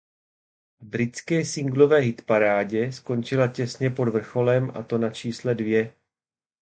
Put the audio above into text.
V britské singlové hitparádě skončila těsně pod vrcholem a to na čísle dvě.